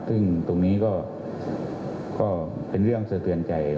ซึ่งตรงนี้ก็เป็นเรื่องสะเทือนใจ